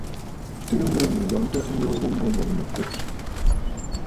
Tɨgə mə mə̀ lɔntə ayoo ghu mbo, m̀bɔŋ mə̀ kwô.